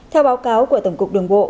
theo báo cáo của tổng cục đường bộ